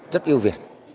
rất ưu việt